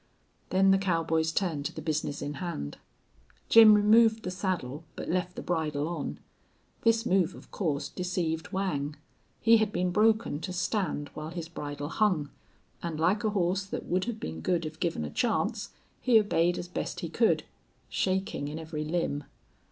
Then the cowboys turned to the business in hand. Jim removed the saddle, but left the bridle on. This move, of course, deceived Whang. He had been broken to stand while his bridle hung, and, like a horse that would have been good if given a chance, he obeyed as best he could, shaking in every limb.